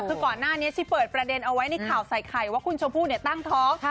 คือก่อนหน้านี้ที่เปิดประเด็นเอาไว้ในข่าวใส่ไข่ว่าคุณชมพู่ตั้งท้อง